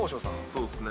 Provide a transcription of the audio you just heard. そうっすね。